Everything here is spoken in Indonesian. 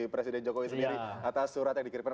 presiden jokowi sendiri atas surat yang dikirimkan